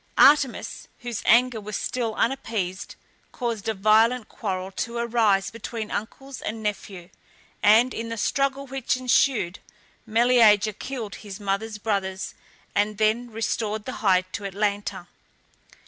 Artemis, whose anger was still unappeased, caused a violent quarrel to arise between uncles and nephew, and, in the struggle which ensued, Meleager killed his mother's brothers, and then restored the hide to Atalanta.